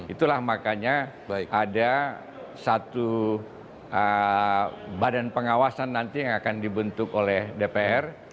itulah makanya ada satu badan pengawasan nanti yang akan dibentuk oleh dpr